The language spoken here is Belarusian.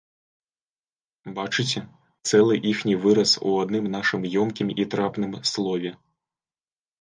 Бачыце, цэлы іхні выраз у адным нашым ёмкім і трапным слове.